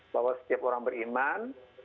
bahwa setiap orang beriman